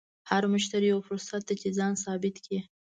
هر مشتری یو فرصت دی چې ځان ثابت کړې.